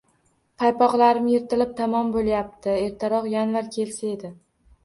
Paypoqlarim yirtilib tamom bo'lyapti. Ertaroq -yanvar kelsa edi...